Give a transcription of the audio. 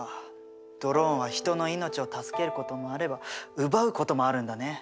ドローンは人の命を助けることもあれば奪うこともあるんだね。